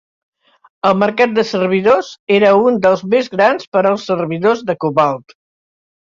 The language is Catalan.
El mercat de servidors era un dels més grans per als servidors de Cobalt.